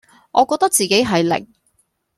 我覺得自己係零